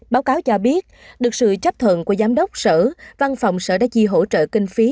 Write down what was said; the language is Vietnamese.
báo cáo cho biết được sự chấp thuận của giám đốc sở văn phòng sở đã chi hỗ trợ kinh phí